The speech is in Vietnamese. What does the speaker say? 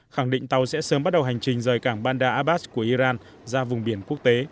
khẳng định tàu sẽ sớm bắt đầu hành trình rời cảng bandar ababas của iran ra vùng biển quốc tế